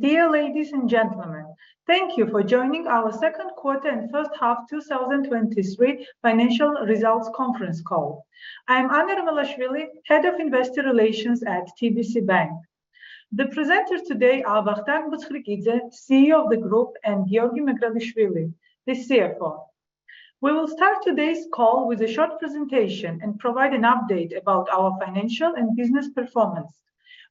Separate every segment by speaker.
Speaker 1: Dear ladies and gentlemen, thank you for joining our second quarter and first half 2023 Financial Results Conference Call. I'm Anna Romelashvili, Head of Investor Relations at TBC Bank Group. The presenters today are Vakhtang Butskhrikidze, CEO of the Group, and Giorgi Megrelishvili, the CFO. We will start today's call with a short presentation and provide an update about our financial and business performance.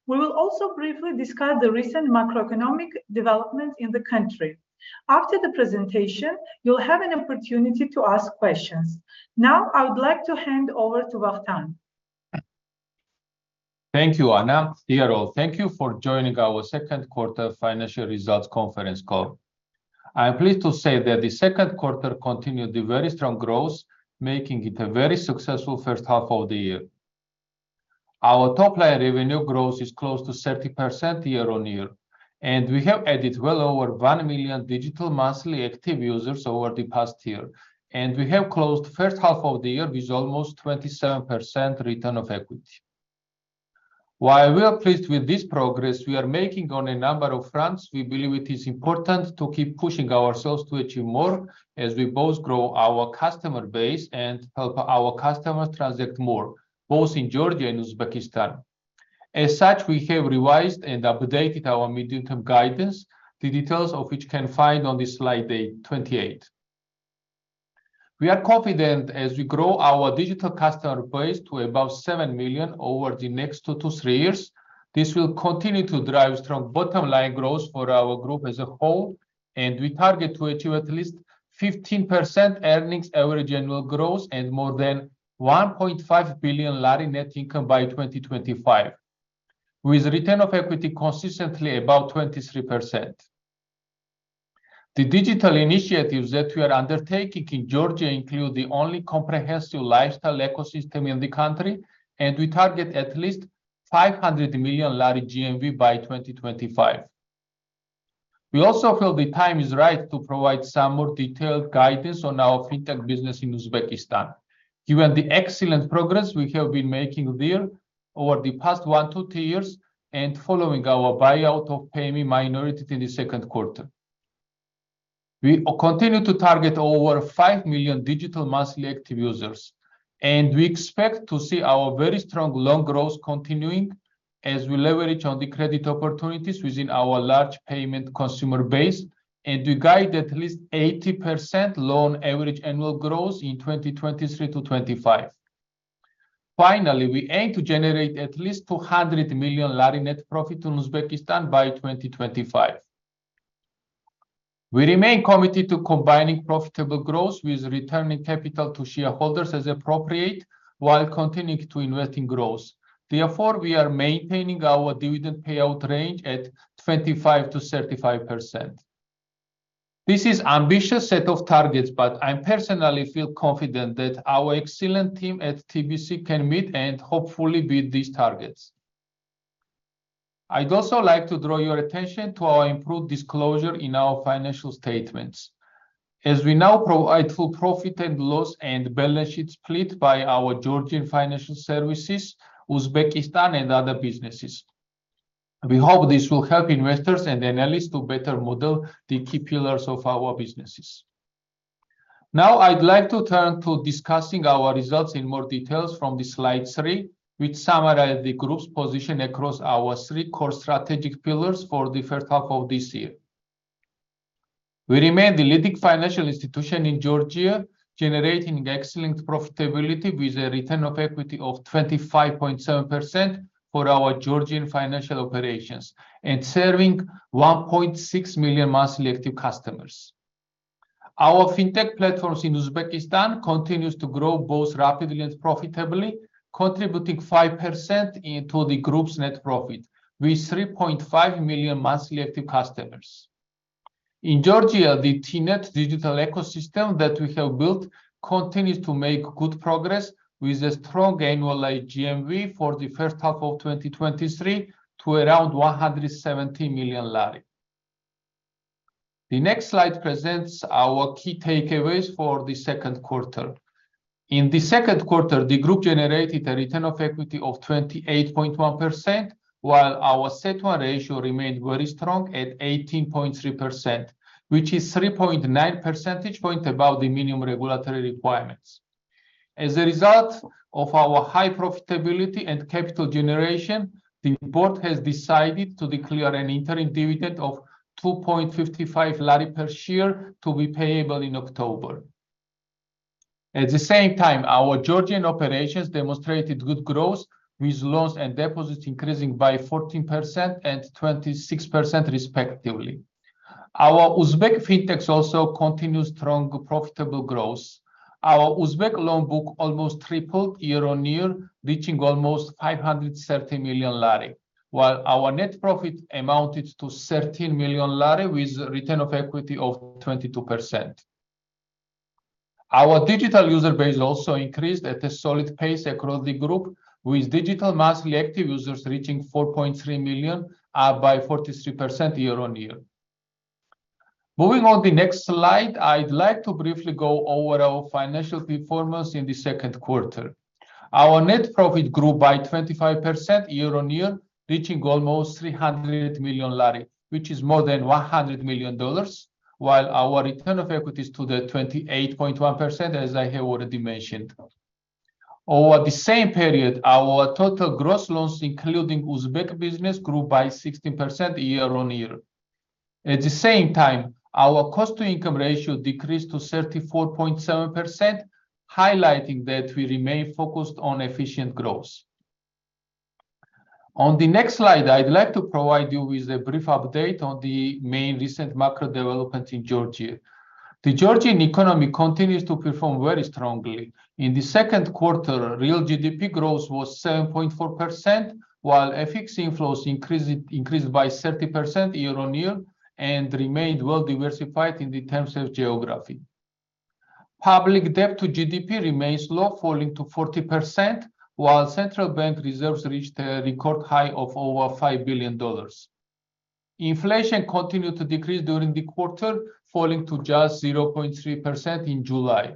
Speaker 1: We will also briefly discuss the recent macroeconomic developments in the country. After the presentation, you'll have an opportunity to ask questions. Now, I would like to hand over to Vakhtang.
Speaker 2: Thank you, Ana. Dear all, thank you for joining our Second Quarter Financial Results Conference Call. I'm pleased to say that the second quarter continued the very strong growth, making it a very successful first half of the year. Our top-line revenue growth is close to 30% year-on-year. We have added well over 1 million digital monthly active users over the past year. We have closed first half of the year with almost 27% return of equity. While we are pleased with this progress we are making on a number of fronts, we believe it is important to keep pushing ourselves to achieve more as we both grow our customer base and help our customers transact more, both in Georgia and Uzbekistan. As such, we have revised and updated our medium-term guidance, the details of which you can find on the slide 8, 28. We are confident as we grow our digital customer base to above 7 million over the next two-three years. This will continue to drive strong bottom-line growth for our group as a whole, and we target to achieve at least 15% earnings average annual growth and more than GEL 1.5 billion net income by 2025, with return of equity consistently above 23%. The digital initiatives that we are undertaking in Georgia include the only comprehensive lifestyle ecosystem in the country, and we target at least GEL 500 million GMV by 2025. We also feel the time is right to provide some more detailed guidance on our fintech business in Uzbekistan. Given the excellent progress we have been making there over the past one-two years and following our buyout of Payme minority in the second quarter. We continue to target over 5 million digital monthly active users, and we expect to see our very strong loan growth continuing as we leverage on the credit opportunities within our large payment consumer base, and we guide at least 80% loan average annual growth in 2023-2025. Finally, we aim to generate at least GEL 200 million net profit in Uzbekistan by 2025. We remain committed to combining profitable growth with returning capital to shareholders as appropriate, while continuing to invest in growth. Therefore, we are maintaining our dividend payout range at 25%-35%. This is ambitious set of targets, but I personally feel confident that our excellent team at TBC can meet and hopefully beat these targets. I'd also like to draw your attention to our improved disclosure in our financial statements. We now provide full profit and loss and balance sheet split by our Georgian Financial Services, Uzbekistan, and other businesses. We hope this will help investors and analysts to better model the key pillars of our businesses. I'd like to turn to discussing our results in more details from the slide three, which summarize the group's position across our three core strategic pillars for the first half of this year. We remain the leading financial institution in Georgia, generating excellent profitability with a return of equity of 25.7% for our Georgian financial operations and serving 1.6 million monthly active customers. Our fintech platforms in Uzbekistan continues to grow both rapidly and profitably, contributing 5% into the group's net profit, with 3.5 million monthly active customers. In Georgia, the Tnet digital ecosystem that we have built continues to make good progress, with a strong annualized GMV for the first half of 2023 to around GEL 170 million. The next slide presents our key takeaways for the second quarter. In the second quarter, the group generated a return of equity of 28.1%, while our CET1 ratio remained very strong at 18.3%, which is 3.9 percentage point above the minimum regulatory requirements. As a result of our high profitability and capital generation, the board has decided to declare an interim dividend of GEL 2.55 per share to be payable in October. At the same time, our Georgian operations demonstrated good growth, with loans and deposits increasing by 14% and 26%, respectively. Our Uzbek fintechs also continued strong profitable growth. Our Uzbek loan book almost tripled year-on-year, reaching almost GEL 530 million, while our net profit amounted to GEL 13 million, with a return of equity of 22%. Our digital user base also increased at a solid pace across the group, with digital monthly active users reaching 4.3 million, up by 43% year-on-year. Moving on the next slide, I'd like to briefly go over our financial performance in the second quarter. Our net profit grew by 25% year-on-year, reaching almost GEL 300 million, which is more than $100 million, while our return on equity is to the 28.1%, as I have already mentioned. Over the same period, our total gross loans, including Uzbek business, grew by 16% year-on-year. At the same time, our cost-to-income ratio decreased to 34.7%, highlighting that we remain focused on efficient growth. On the next slide, I'd like to provide you with a brief update on the main recent macro developments in Georgia. The Georgian economy continues to perform very strongly. In the second quarter, real GDP growth was 7.4%, while FX inflows increased, increased by 30% year-on-year and remained well diversified in the terms of geography. Public debt to GDP remains low, falling to 40%, while central bank reserves reached a record high of over $5 billion. Inflation continued to decrease during the quarter, falling to just 0.3% in July.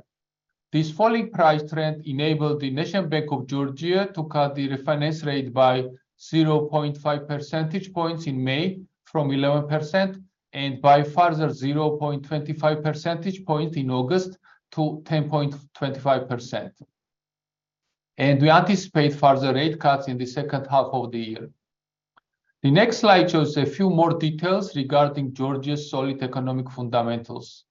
Speaker 2: This falling price trend enabled the National Bank of Georgia to cut the refinance rate by 0.5 percentage points in May from 11%, and by further 0.25% points in August to 10.25%. We anticipate further rate cuts in the second half of the year. The next slide shows a few more details regarding Georgia's solid economic fundamentals.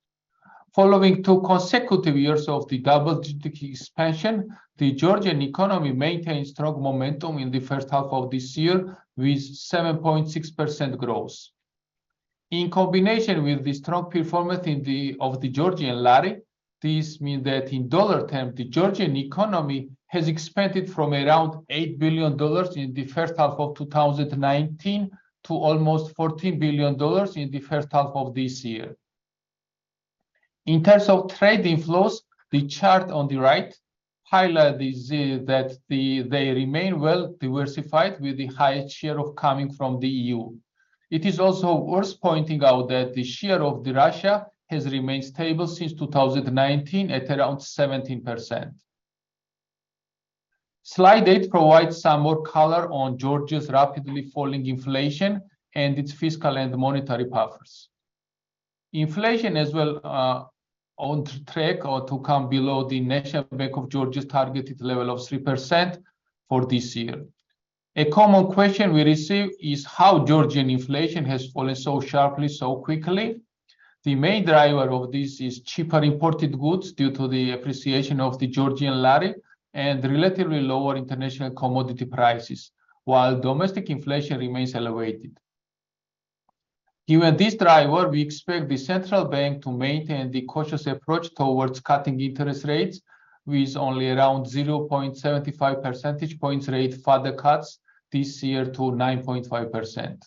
Speaker 2: Following two consecutive years of the double-digit expansion, the Georgian economy maintained strong momentum in the first half of this year, with 7.6% growth. In combination with the strong performance in the, of the Georgian lari, this means that in dollar terms, the Georgian economy has expanded from around $8 billion in the first half of 2019 to almost $14 billion in the first half of this year. In terms of trade inflows, the chart on the right highlights the, that the, they remain well diversified, with the highest share of coming from the EU. It is also worth pointing out that the share of Russia has remained stable since 2019, at around 17%. Slide eight provides some more color on Georgia's rapidly falling inflation and its fiscal and monetary buffers. Inflation is well on track to come below the National Bank of Georgia's targeted level of 3% for this year. A common question we receive is how Georgian inflation has fallen so sharply, so quickly. The main driver of this is cheaper imported goods, due to the appreciation of the Georgian Lari and relatively lower international commodity prices, while domestic inflation remains elevated. Given this driver, we expect the central bank to maintain the cautious approach towards cutting interest rates, with only around 0.75% points rate further cuts this year to 9.5%.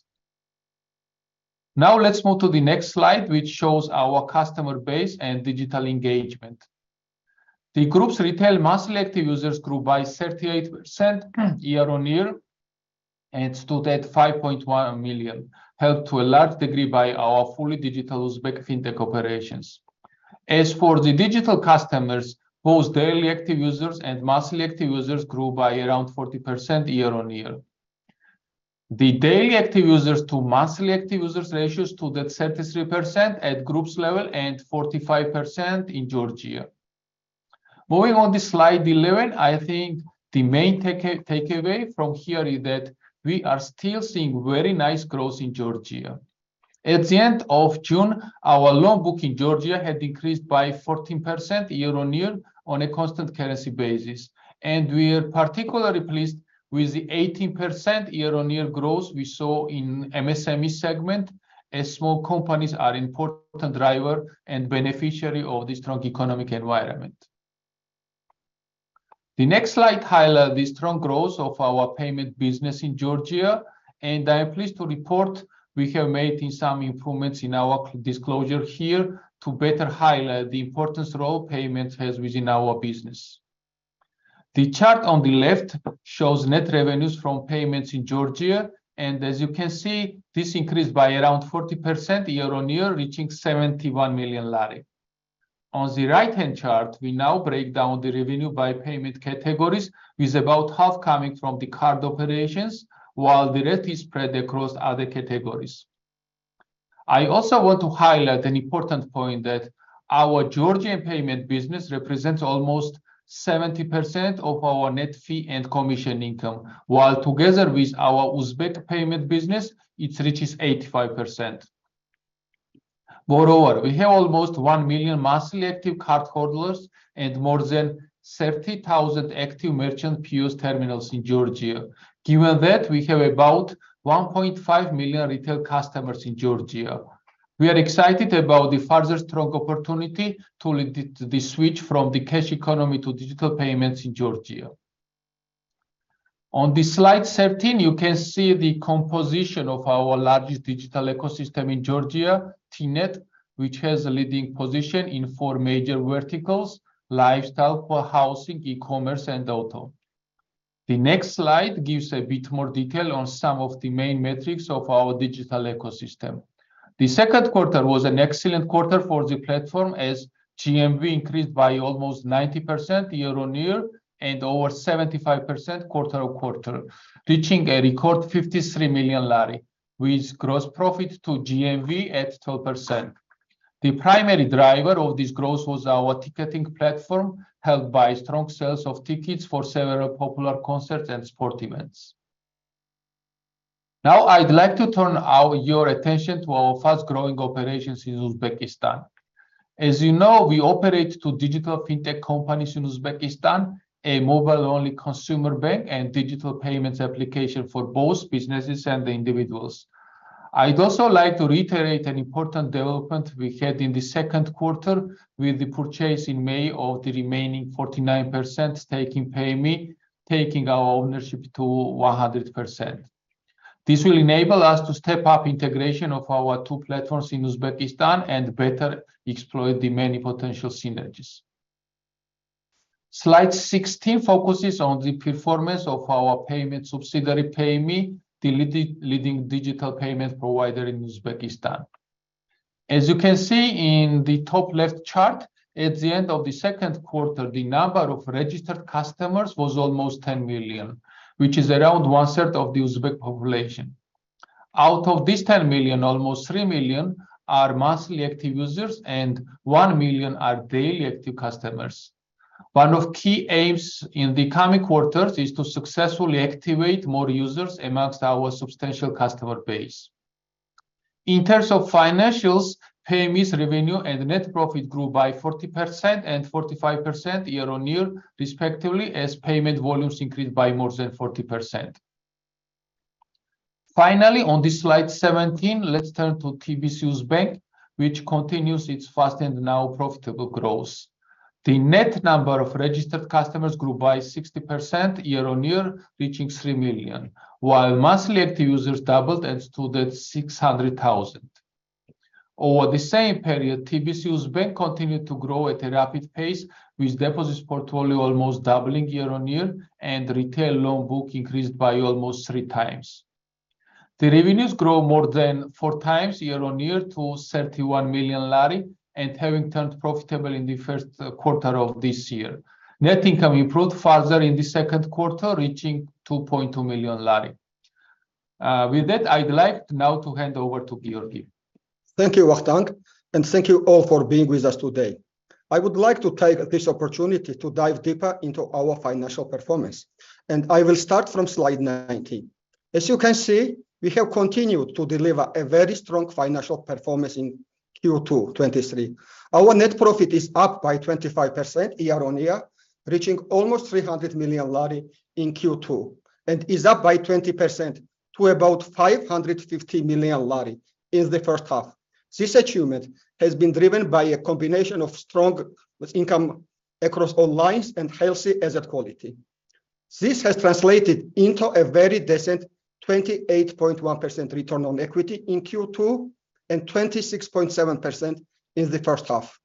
Speaker 2: Let's move to the next slide, which shows our customer base and digital engagement. The group's retail monthly active users grew by 38% year-on-year and stood at 5.1 million, helped to a large degree by our fully digital Uzbek fintech operations. As for the digital customers, both daily active users and monthly active users grew by around 40% year-on-year. The daily active users to monthly active users ratios to the 33% at group's level and 45% in Georgia. Moving on to slide 11, I think the main takeaway from here is that we are still seeing very nice growth in Georgia. At the end of June, our loan book in Georgia had increased by 14% year-on-year on a constant currency basis, we are particularly pleased with the 18% year-on-year growth we saw in MSME segment, as small companies are important driver and beneficiary of the strong economic environment. The next slide highlights the strong growth of our payment business in Georgia, I am pleased to report we have made some improvements in our disclosure here to better highlight the important role payments has within our business. The chart on the left shows net revenues from payments in Georgia, as you can see, this increased by around 40% year-on-year, reaching GEL 71 million. On the right-hand chart, we now break down the revenue by payment categories, with about half coming from the card operations, while the rest is spread across other categories. I also want to highlight an important point, that our Georgian payment business represents almost 70% of our net fee and commission income, while together with our Uzbek payment business, it reaches 85%. Moreover, we have almost 1 million monthly active cardholders and more than 30,000 active merchant POS terminals in Georgia. Given that, we have about 1.5 million retail customers in Georgia. We are excited about the further strong opportunity to lead the switch from the cash economy to digital payments in Georgia. On the slide 17, you can see the composition of our largest digital ecosystem in Georgia, Tnet, which has a leading position in four major verticals: lifestyle, housing, e-commerce, and auto... The next slide gives a bit more detail on some of the main metrics of our digital ecosystem. The second quarter was an excellent quarter for the platform, as GMV increased by almost 90% year-on-year and over 75% quarter-on-quarter, reaching a record GEL 53 million, with gross profit to GMV at 2%. The primary driver of this growth was our ticketing platform, helped by strong sales of tickets for several popular concerts and sport events. Now, I'd like to turn our, your attention to our fast-growing operations in Uzbekistan. As you know, we operate two digital fintech companies in Uzbekistan, a mobile-only consumer bank and digital payments application for both businesses and individuals. I'd also like to reiterate an important development we had in the second quarter with the purchase in May of the remaining 49% stake in Payme, taking our ownership to 100%. This will enable us to step up integration of our two platforms in Uzbekistan and better exploit the many potential synergies. Slide 16 focuses on the performance of our payment subsidiary, PayMe, the leading digital payment provider in Uzbekistan. As you can see in the top left chart, at the end of the second quarter, the number of registered customers was almost 10 million, which is around one third of the Uzbek population. Out of this 10 million, almost 3 million are monthly active users and 1 million are daily active customers. One of key aims in the coming quarters is to successfully activate more users amongst our substantial customer base. In terms of financials, PayMe's revenue and net profit grew by 40% and 45% year-on-year, respectively, as payment volumes increased by more than 40%. Finally, on the slide 17, let's turn to TBC Uzbank, which continues its fast and now profitable growth. The net number of registered customers grew by 60% year-on-year, reaching 3 million, while monthly active users doubled and stood at 600,000. Over the same period, TBC Uzbank continued to grow at a rapid pace, with deposits portfolio almost doubling year-on-year, and retail loan book increased by almost 3 times. The revenues grow more than 4x year-on-year to GEL 31 million, and having turned profitable in the 1st quarter of this year. Net income improved further in the second quarter, reaching GEL 2.2 million. With that, I'd like now to hand over to Giorgi.
Speaker 3: Thank you, Vakhtang, thank you all for being with us today. I would like to take this opportunity to dive deeper into our financial performance, and I will start from slide 19. As you can see, we have continued to deliver a very strong financial performance in Q2 2023. Our net profit is up by 25% year-on-year, reaching almost GEL 300 million in Q2, and is up by 20% to about GEL 550 million in the first half. This achievement has been driven by a combination of strong net income across all lines and healthy asset quality. This has translated into a very decent 28.1% return on equity in Q2, and 26.7% in the first half.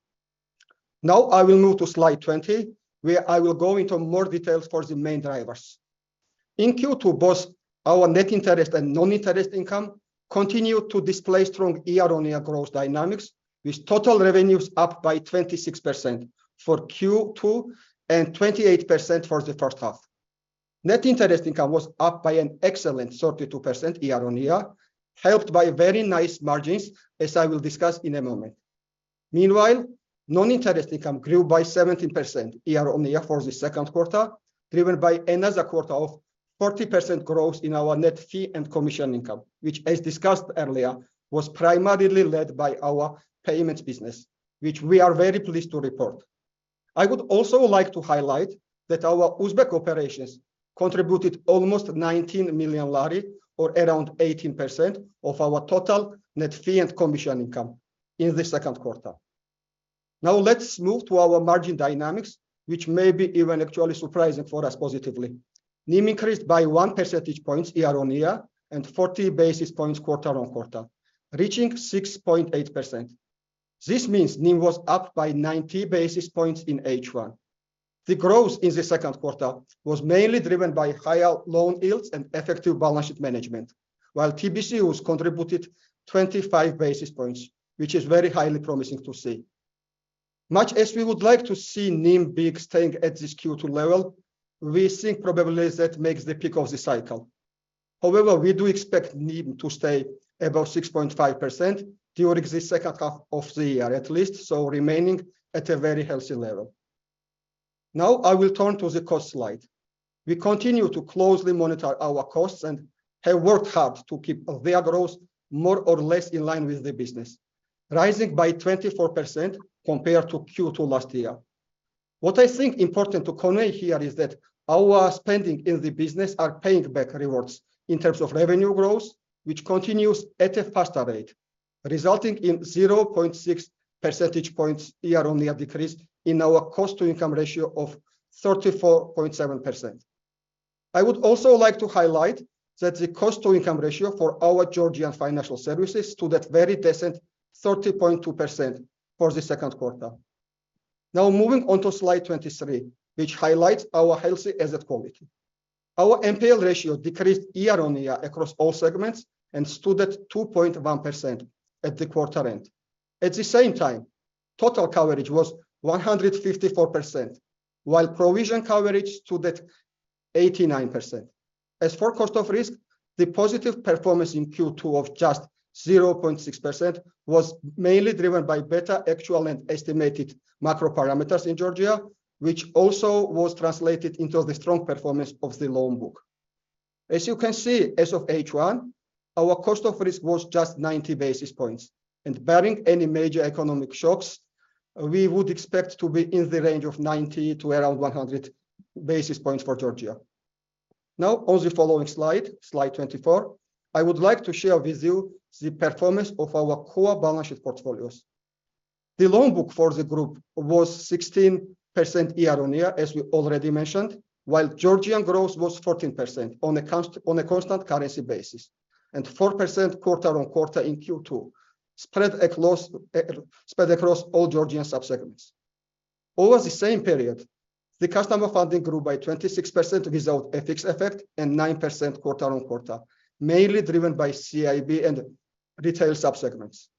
Speaker 3: Now, I will move to slide 20, where I will go into more details for the main drivers. In Q2, both our net interest and non-interest income continued to display strong year-on-year growth dynamics, with total revenues up by 26% for Q2 and 28% for the first half. Net interest income was up by an excellent 32% year-on-year, helped by very nice margins, as I will discuss in a moment. Meanwhile, non-interest income grew by 17% year-on-year for the second quarter, driven by another quarter of 40% growth in our net fee and commission income, which, as discussed earlier, was primarily led by our payments business, which we are very pleased to report. I would also like to highlight that our Uzbek operations contributed almost GEL 19 million, or around 18% of our total net fee and commission income in the second quarter. let's move to our margin dynamics, which may be even actually surprising for us positively. NIM increased by 1% point year-on-year and 40 basis points quarter-on-quarter, reaching 6.8%. This means NIM was up by 90 basis points in H1. The growth in the second quarter was mainly driven by higher loan yields and effective balance sheet management, while TBC UZ contributed 25 basis points, which is very highly promising to see. Much as we would like to see NIM be staying at this Q2 level, we think probably that makes the peak of the cycle. We do expect NIM to stay above 6.5% during the second half of the year, at least, so remaining at a very healthy level. I will turn to the cost slide. We continue to closely monitor our costs and have worked hard to keep their growth more or less in line with the business, rising by 24% compared to Q2 last year. What I think important to convey here is that our spending in the business are paying back rewards in terms of revenue growth, which continues at a faster rate, resulting in 0.6% points year-on-year decrease in our cost-to-income ratio of 34.7%. I would also like to highlight that the cost-to-income ratio for our Georgian financial services stood at very decent 30.2% for the second quarter. Now moving on to slide 23, which highlights our healthy asset quality. Our NPL ratio decreased year-on-year across all segments and stood at 2.1% at the quarter end. At the same time, total coverage was 154%, while provision coverage stood at 89%. As for cost of risk, the positive performance in Q2 of just 0.6% was mainly driven by better actual and estimated macro parameters in Georgia, which also was translated into the strong performance of the loan book. As you can see, as of H1, our cost of risk was just 90 basis points, and barring any major economic shocks, we would expect to be in the range of 90-100 basis points for Georgia. Now, on the following slide, slide 24, I would like to share with you the performance of our core balance sheet portfolios. The loan book for the group was 16% year on year, as we already mentioned, while Georgian growth was 14% on a constant currency basis, and 4% quarter on quarter in Q2, spread across all Georgian sub-segments. Over the same period, the customer funding grew by 26% without a FX effect and 9% quarter on quarter, mainly driven by CIB and retail sub-segments.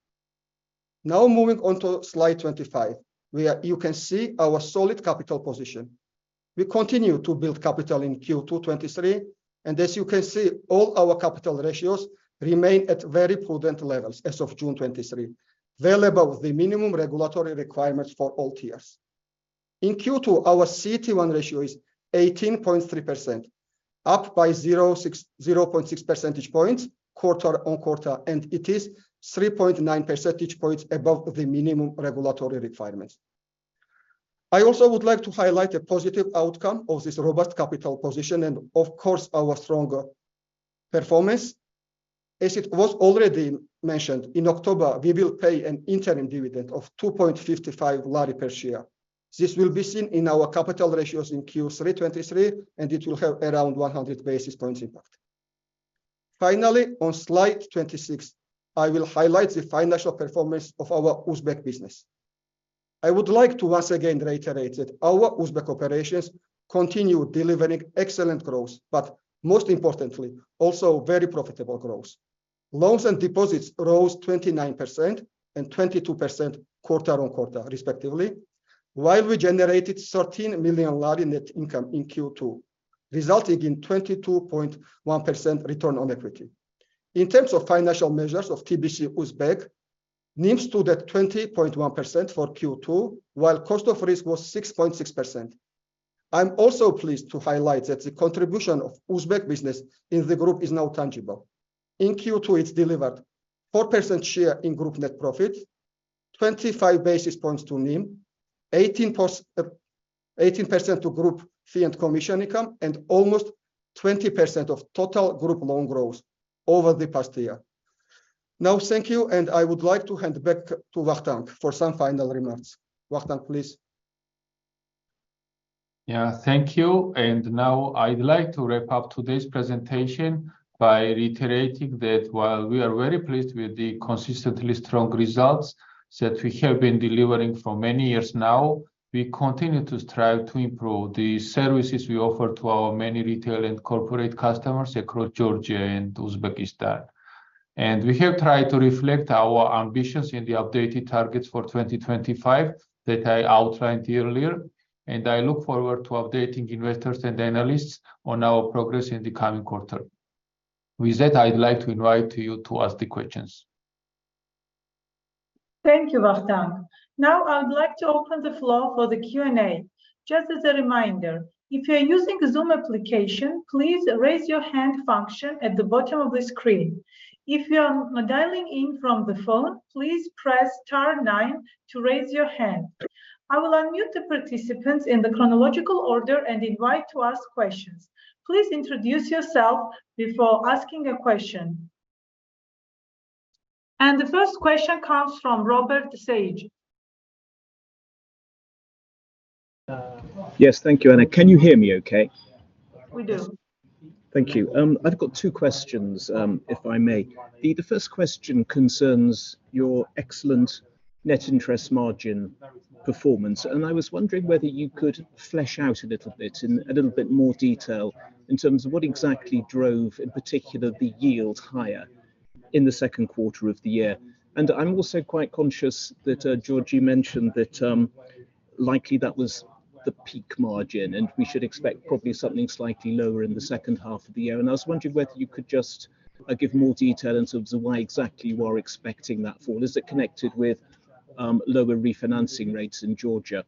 Speaker 3: Now moving on to slide 25, where you can see our solid capital position. We continue to build capital in Q2 2023, and as you can see, all our capital ratios remain at very prudent levels as of June 2023, well above the minimum regulatory requirements for all tiers. In Q2, our CET1 ratio is 18.3%, up by 0.6% points quarter-on-quarter, and it is 3.9% points above the minimum regulatory requirements. I also would like to highlight a positive outcome of this robust capital position and, of course, our stronger performance. As it was already mentioned, in October, we will pay an interim dividend of GEL 2.55 per share. This will be seen in our capital ratios in Q3 2023, and it will have around 100 basis points impact. Finally, on slide 26, I will highlight the financial performance of our Uzbek business. I would like to once again reiterate that our Uzbek operations continue delivering excellent growth, but most importantly, also very profitable growth. Loans and deposits rose 29% and 22% quarter-on-quarter, respectively. While we generated 13 million Lari net income in Q2, resulting in 22.1% return on equity. In terms of financial measures of TBC Uzbekistan, NIMs stood at 20.1% for Q2, while cost of risk was 6.6%. I'm also pleased to highlight that the contribution of Uzbek business in the group is now tangible. In Q2, it's delivered 4% share in group net profit, 25 basis points to NIM, 18% to group fee and commission income, and almost 20% of total group loan growth over the past year. Thank you, and I would like to hand back to Vakhtang for some final remarks. Vakhtang, please.
Speaker 2: Yeah, thank you. Now I'd like to wrap up today's presentation by reiterating that while we are very pleased with the consistently strong results that we have been delivering for many years now, we continue to strive to improve the services we offer to our many retail and corporate customers across Georgia and Uzbekistan. We have tried to reflect our ambitions in the updated targets for 2025 that I outlined earlier, and I look forward to updating investors and analysts on our progress in the coming quarter. With that, I'd like to invite you to ask the questions.
Speaker 1: Thank you, Vakhtang. Now, I would like to open the floor for the Q&A. Just as a reminder, if you are using the Zoom application, please raise your hand function at the bottom of the screen. If you are dialing in from the phone, please press star nine to raise your hand. I will unmute the participants in the chronological order and invite to ask questions. Please introduce yourself before asking a question. The first question comes from Robert Sage.
Speaker 4: Yes, thank you, Anna. Can you hear me okay?
Speaker 1: We do.
Speaker 4: Thank you. I've got two questions, if I may. The first question concerns your excellent net interest margin performance, and I was wondering whether you could flesh out a little bit, in a little bit more detail, in terms of what exactly drove, in particular, the yield higher in the second quarter of the year. I'm also quite conscious that Georgie mentioned that likely that was the peak margin, and we should expect probably something slightly lower in the second half of the year. I was wondering whether you could give more detail in terms of why exactly you are expecting that fall. Is it connected with lower refinancing rates in Georgia?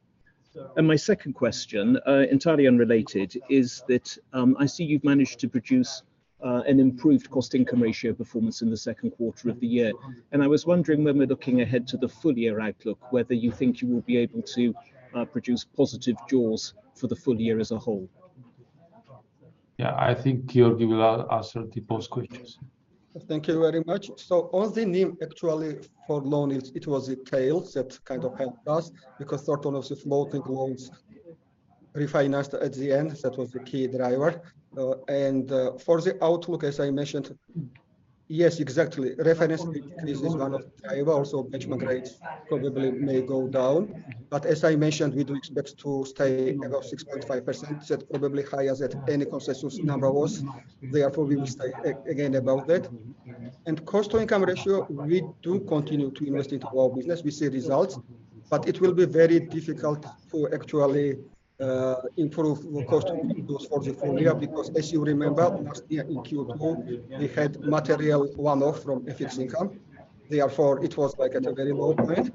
Speaker 4: My second question, entirely unrelated, is that, I see you've managed to produce an improved cost-to-income ratio performance in the 2nd quarter of the year, and I was wondering, when we're looking ahead to the full year outlook, whether you think you will be able to produce positive jaws for the full year as a whole?
Speaker 2: Yeah, I think Giorgi will answer both questions.
Speaker 3: Thank you very much. On the NIM, actually, for loan, it was a tail that kind of helped us, because sort of those floating loans refinanced at the end, that was the key driver. For the outlook, as I mentioned. Yes, exactly. Refinance is one of the driver, also benchmark rates probably may go down. As I mentioned, we do expect to stay above 6.5%, that probably higher than any consensus number was. Therefore, we will stay, again, above that. Cost-to-income ratio, we do continue to invest into our business. We see results, but it will be very difficult to actually improve cost because for the full year, because as you remember, last year in Q2, we had material one-off from a fixed income. Therefore, it was like at a very low point.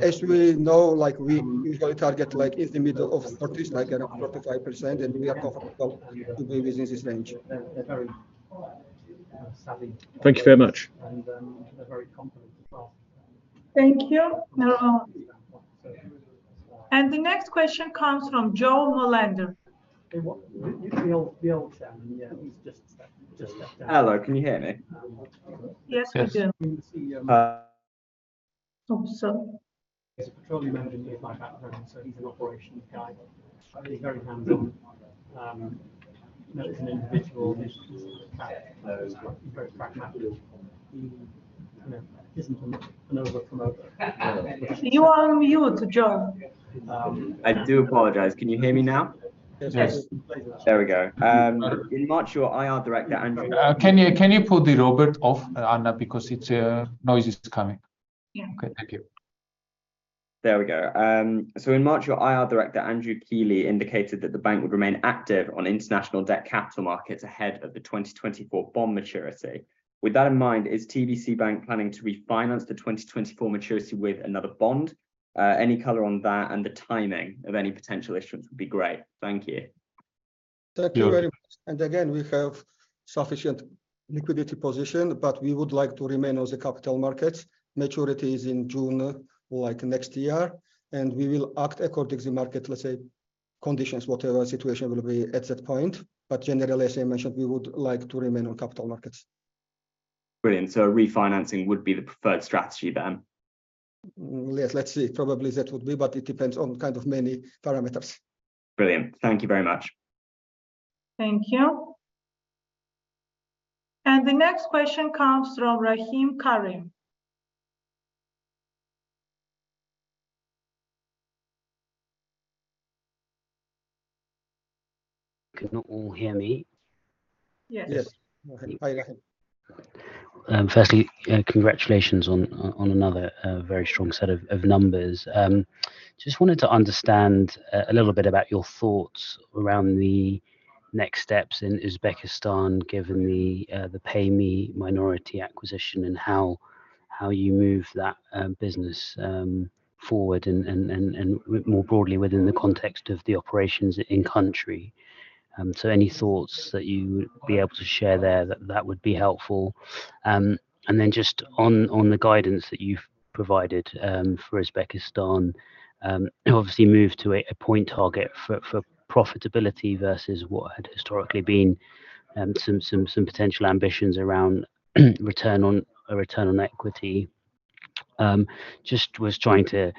Speaker 3: As we know, like we usually target, like in the middle of 30%, like around 35%, and we are comfortable to be within this range.
Speaker 4: Very savvy. Thank you very much. Very competent as well.
Speaker 1: Thank you. Now, the next question comes from Joe Molander. The old, the old chap. Yeah, he's just, just stepped out.
Speaker 5: Hello, can you hear me?
Speaker 1: Yes, we can.
Speaker 3: Yes.
Speaker 1: Oh, sorry. He's a petroleum engineer by background, so he's an operations guy. He's very hands-on. You know, as an individual, he's, he's very pragmatic. He, you know, isn't an, an overpromoter. You are on mute, Joe.
Speaker 5: I do apologize. Can you hear me now? Yes. There we go. In March, your IR director, Andrew.
Speaker 3: Can you, can you put the Robert off, Anna, because it's noise is coming?
Speaker 1: Yeah.
Speaker 3: Okay, thank you.
Speaker 5: There we go. In March, your IR director, Andrew Keeley, indicated that the bank would remain active on international debt capital markets ahead of the 2024 bond maturity. With that in mind, is TBC Bank planning to refinance the 2024 maturity with another bond? Any color on that and the timing of any potential issuance would be great. Thank you.
Speaker 3: Thank you very much. Again, we have sufficient liquidity position, but we would like to remain on the capital markets. Maturity is in June, like next year, and we will act according to the market, let's say, conditions, whatever situation will be at that point. Generally, as I mentioned, we would like to remain on capital markets.
Speaker 5: Brilliant. refinancing would be the preferred strategy then?
Speaker 3: Let's, let's see. Probably that would be, but it depends on kind of many parameters.
Speaker 5: Brilliant. Thank you very much.
Speaker 1: Thank you. The next question comes from Rahim Karim.
Speaker 6: Can you all hear me?
Speaker 1: Yes.
Speaker 3: Yes. Hi, Rahim.
Speaker 6: firstly, congratulations on, on another, very strong set of, of numbers. Just wanted to understand, a little bit about your thoughts around the next steps in Uzbekistan, given the Payme minority acquisition, and how, how you move that, business, forward, and, and, and, and more broadly, within the context of the operations in country. So any thoughts that you would be able to share there, that that would be helpful. And then just on, on the guidance that you've provided, for Uzbekistan, obviously moved to a, a point target for, for profitability versus what had historically been, some, some, some potential ambitions around return on, a return on equity. Just was trying to,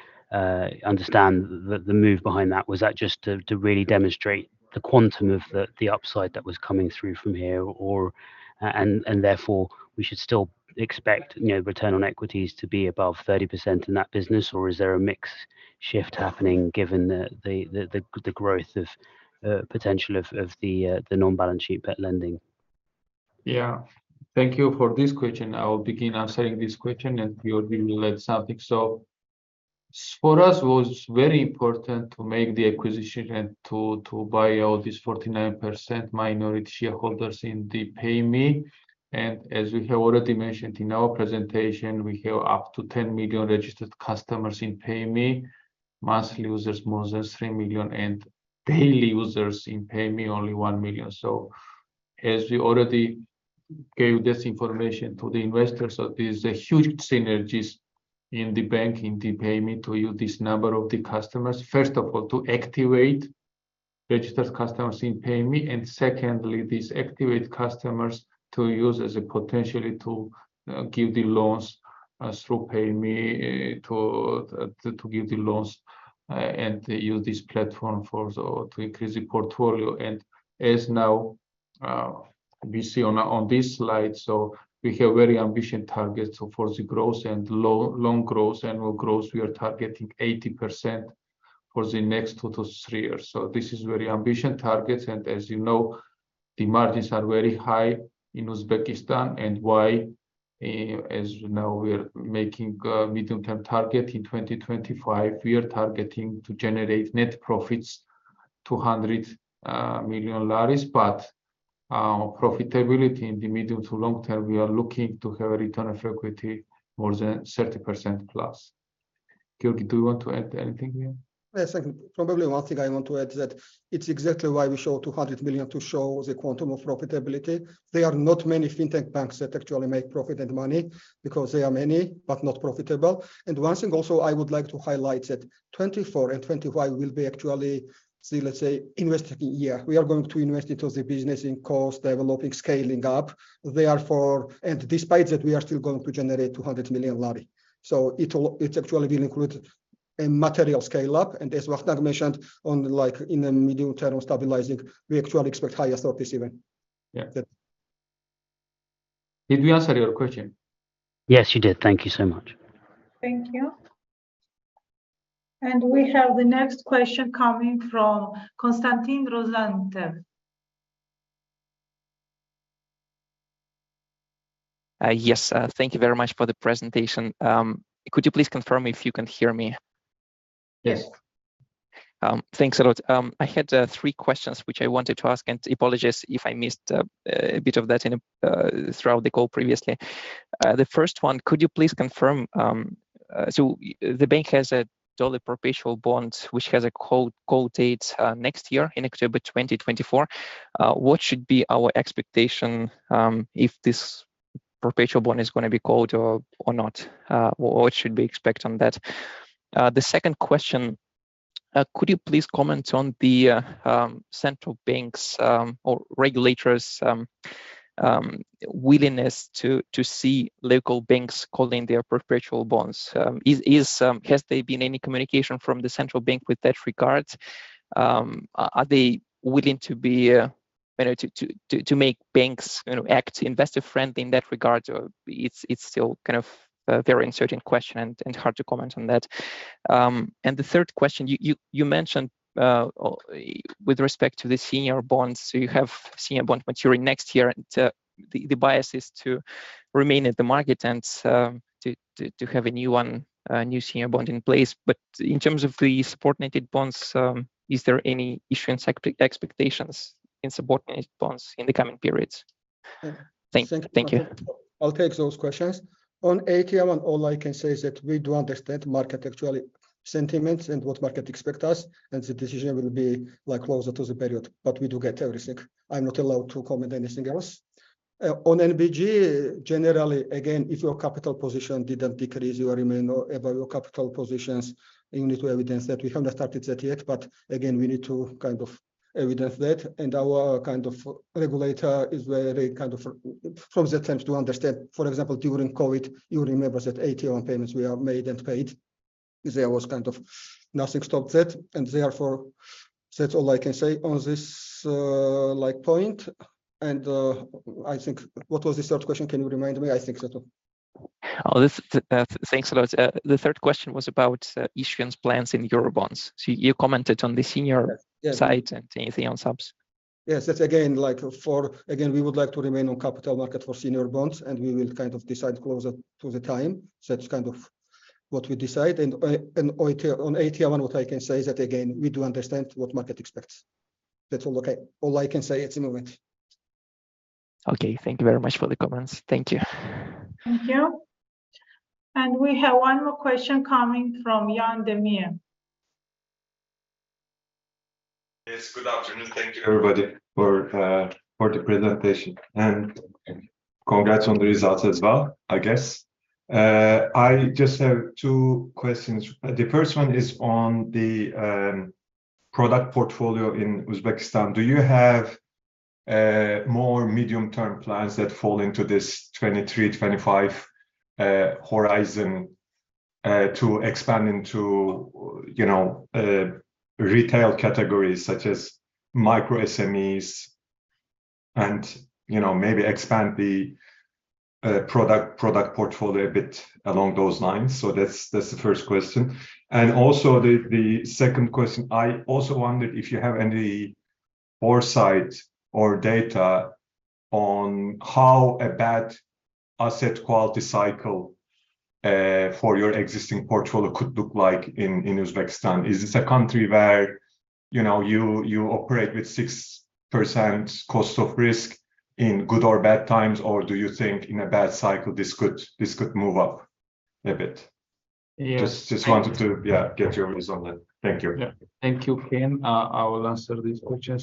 Speaker 6: understand the, the move behind that. Was that just to, to really demonstrate the quantum of the, the upside that was coming through from here, or? Therefore, we should still expect, you know, return on equities to be above 30% in that business? Or is there a mix shift happening given the, the, the, the growth of potential of the non-balance sheet lending?
Speaker 2: Yeah. Thank you for this question. I will begin answering this question. Georgie will add something. For us, it was very important to make the acquisition and to buy out this 49% minority shareholders in the Payme. As we have already mentioned in our presentation, we have up to 10 million registered customers in Payme, monthly users, more than 3 million, and daily users in Payme, only 1 million. As we already gave this information to the investors, there's a huge synergies in the bank, in the Payme, to use this number of the customers. First of all, to activate registered customers in Payme, and secondly, these activate customers to use as a potentially to give the loans through Payme, to give the loans and use this platform to increase the portfolio. As now, we see on this slide, we have very ambitious targets for the growth and long growth. Annual growth, we are targeting 80% for the next two-three years. This is very ambitious targets, and as you know, the margins are very high in Uzbekistan. Why? As you know, we are making a medium-term target. In 2025, we are targeting to generate net profits, GEL 200 million. Profitability in the medium to long term, we are looking to have a return on equity more than 30%+. Giorgi, do you want to add anything here?
Speaker 3: Yes, I can. Probably one thing I want to add is that it's exactly why we show GEL 200 million, to show the quantum of profitability. There are not many fintech banks that actually make profit and money, because there are many, but not profitable. One thing also I would like to highlight, that 2024 and 2025 will be actually the, let's say, investing year. We are going to invest into the business in cost, developing, scaling up. Therefore, despite that, we are still going to generate GEL 200 million, so it will, it actually will include a material scale up, and as Vakhtang mentioned, on like in the medium term of stabilizing, we actually expect higher surplus even.
Speaker 2: Yeah.
Speaker 3: That.
Speaker 2: Did we answer your question?
Speaker 6: Yes, you did. Thank you so much.
Speaker 1: Thank you. We have the next question coming from Konstantin Rozantsev.
Speaker 7: Yes, thank you very much for the presentation. Could you please confirm if you can hear me?
Speaker 2: Yes.
Speaker 3: Yes.
Speaker 7: Thanks a lot. I had three questions which I wanted to ask, and apologies if I missed a bit of that throughout the call previously. The first one, could you please confirm? So the bank has a dollar perpetual bond, which has a call date next year in October 2024. What should be our expectation if this perpetual bond is gonna be called or not? What should we expect on that? The second question, could you please comment on the central bank's or regulators willingness to see local banks calling their perpetual bonds? Has there been any communication from the central bank with that regards? Are they willing to be, you know, to make banks, you know, act investor-friendly in that regard, or it's, it's still kind of a very uncertain question and hard to comment on that? The third question, you mentioned with respect to the senior bonds, so you have senior bond maturing next year, and the bias is to remain at the market and to have a new one, a new senior bond in place. In terms of the subordinated bonds, is there any issuance expectations in subordinated bonds in the coming periods?
Speaker 2: Yeah.
Speaker 7: Thank you. Thank you.
Speaker 3: I'll take those questions. On ATL, all I can say is that we do understand market actually sentiments and what market expect us, and the decision will be, like, closer to the period, but we do get everything. I'm not allowed to comment anything else. On NBG, generally, again, if your capital position didn't decrease, you will remain or above your capital positions. You need to evidence that. We have not started that yet, but again, we need to kind of evidence that, and our kind of regulator is very kind of from the times to understand. For example, during COVID, you remember that ATL payments were made and paid. There was kind of nothing stopped that, and therefore, that's all I can say on this, like, point. I think, what was the third question? Can you remind me? I think that's all.
Speaker 7: Oh, this, thanks a lot. The third question was about issuance plans in Eurobonds. You commented on the senior.
Speaker 3: Yeah
Speaker 7: side and anything on subs.
Speaker 3: Yes, that's again, like, for... Again, we would like to remain on capital market for senior bonds, and we will kind of decide closer to the time. That's kind of what we decide, and on ATL, what I can say is that, again, we do understand what market expects. That's all I, all I can say at the moment.
Speaker 7: Okay. Thank you very much for the comments. Thank you.
Speaker 1: Thank you. We have one more question coming from Jan Demir.
Speaker 8: Yes, good afternoon. Thank you, everybody, for for the presentation. Congrats on the results as well, I guess. I just have two questions. The first one is on the product portfolio in Uzbekistan. Do you have more medium-term plans that fall into this 2023-2025 horizon to expand into, you know, retail categories such as micro SMEs and, you know, maybe expand the product, product portfolio a bit along those lines? That's, that's the first question. Also, the second question, I also wondered if you have any foresight or data on how a bad asset quality cycle for your existing portfolio could look like in Uzbekistan. Is this a country where, you know, you, you operate with 6% cost of risk in good or bad times, or do you think in a bad cycle, this could, this could move up a bit?
Speaker 2: Yes.
Speaker 8: Just, just wanted to, yeah, get your views on that. Thank you.
Speaker 2: Yeah. Thank you, Jan. I will answer this question.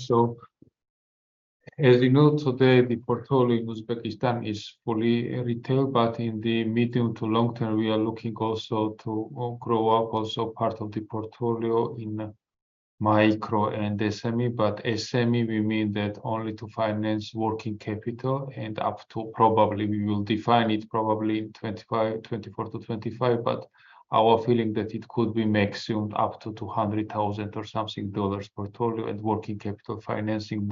Speaker 2: As you know, today, the portfolio in Uzbekistan is fully retail, but in the medium to long term, we are looking also to grow up also part of the portfolio in micro and SME. SME, we mean that only to finance working capital and up to probably we will define it probably in 25%, 24%-25%, but our feeling that it could be maximum up to $200,000 or something portfolio and working capital financing.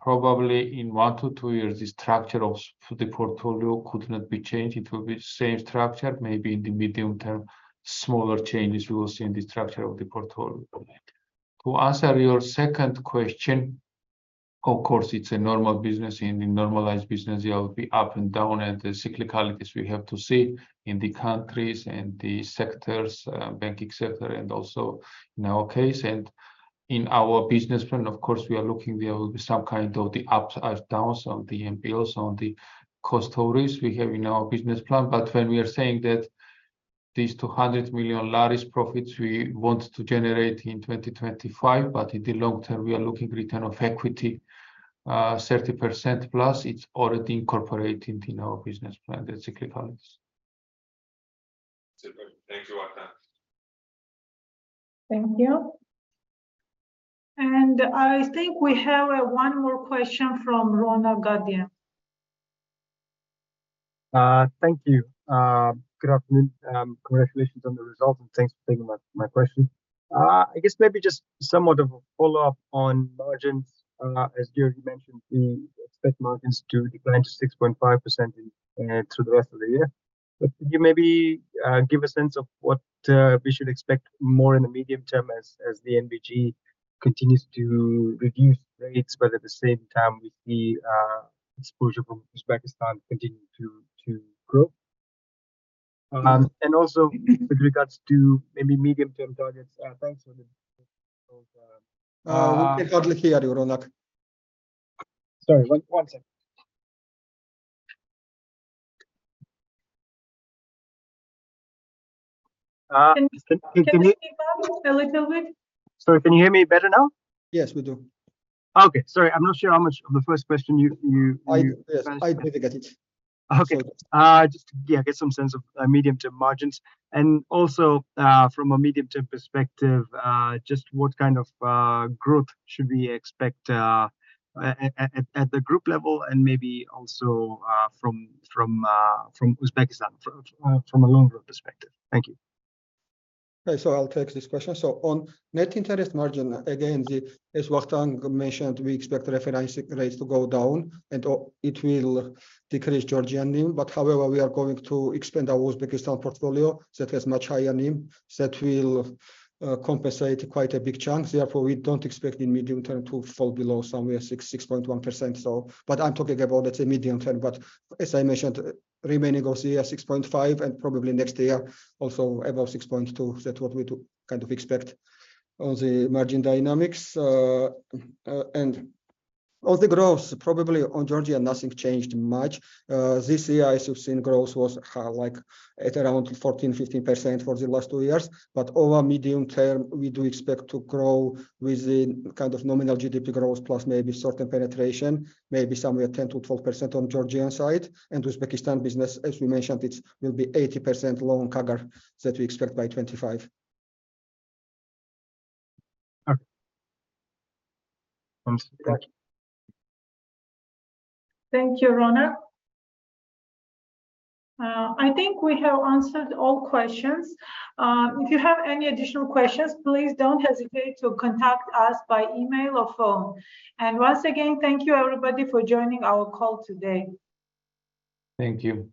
Speaker 2: Probably in one-two years, the structure of the portfolio could not be changed. It will be same structure, maybe in the medium term, smaller changes we will see in the structure of the portfolio. To answer your second question, of course, it's a normal business. In the normalized business, there will be up and down, and the cyclicalities we have to see in the countries and the sectors, banking sector, and also in our case. In our business plan, of course, we are looking, there will be some kind of the ups and downs on the NPLs, on the cost of risk we have in our business plan. When we are saying that these GEL 200 million largest profits we want to generate in 2025, but in the long term, we are looking return of equity, 30%+ it's already incorporated in our business plan, the cyclicalities.
Speaker 8: Super. Thank you, Vakhtang.
Speaker 1: Thank you. I think we have one more question from Rona Guardian.
Speaker 9: Thank you. Good afternoon, congratulations on the results, and thanks for taking my question. I guess maybe just somewhat of a follow-up on margins. As Giorgi mentioned, we expect margins to decline to 6.5% in through the rest of the year. Could you maybe give a sense of what we should expect more in the medium term as the NBG continues to reduce rates, but at the same time, we see exposure from Uzbekistan continue to grow? And also with regards to maybe medium-term targets, thanks for the.
Speaker 3: We can hardly hear you, Rona.
Speaker 9: Sorry, one, one second. Can you?
Speaker 1: A little bit?
Speaker 9: Sorry, can you hear me better now?
Speaker 3: Yes, we do.
Speaker 9: Okay. Sorry, I'm not sure how much of the first question you...
Speaker 3: I, yes, I do get it.
Speaker 9: Okay.
Speaker 3: So.
Speaker 9: just, yeah, get some sense of medium-term margins. Also, from a medium-term perspective, just what kind of growth should we expect at, at, at, at the group level and maybe also, from, from, from Uzbekistan, from, from a long-term perspective? Thank you.
Speaker 3: I'll take this question. On net interest margin, again, as Vakhtang mentioned, we expect LFR rates to go down, and it will decrease Georgian NIM. However, we are going to expand our Uzbekistan portfolio that has much higher NIM, that will compensate quite a big chunk. Therefore, we don't expect in medium term to fall below somewhere 6%-6.1%. I'm talking about as a medium term, but as I mentioned, remaining of the year, 6.5%, and probably next year also above 6.2%. That's what we do kind of expect on the margin dynamics. And on the growth, probably on Georgia, nothing changed much. This year, I have seen growth was like at around 14%-15% for the last two years. Over medium term, we do expect to grow with the kind of nominal GDP growth, plus maybe certain penetration, maybe somewhere 10%-12% on Georgian side. Uzbekistan business, as we mentioned, it will be 80% loan CAGR that we expect by 2025.
Speaker 9: Okay. Thank you.
Speaker 1: Thank you, Rona. I think we have answered all questions. If you have any additional questions, please don't hesitate to contact us by email or phone. Once again, thank you, everybody, for joining our call today.
Speaker 2: Thank you.